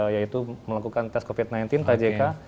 yaitu melakukan tes covid sembilan belas pak jk